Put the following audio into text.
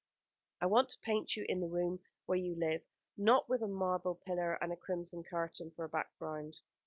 "I want to paint you in the room where you live; not with a marble pillar and a crimson curtain for a background."